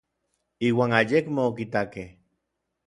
Iuan ayekmo okitakej.